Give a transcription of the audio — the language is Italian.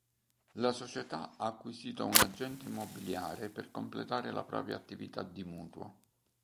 La società ha acquisito un agente immobiliare per completare la propria attività di mutuo.